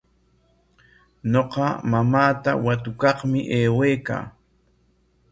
Ñuqa mamaata watukaqmi aywaykaa.